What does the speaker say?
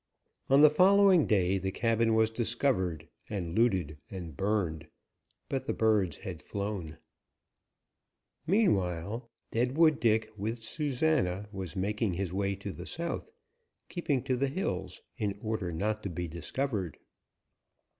On the following day the cabin was discovered and looted and burned, but the birds had flown. Meanwhile, Deadwood Dick, with Susana, was making his way to the south, keeping to the hills in order not to be discovered.